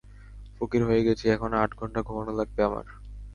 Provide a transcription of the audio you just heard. ফকির হয়ে গেছি, এখন আট ঘণ্টা ঘুমানো লাগবে আমার।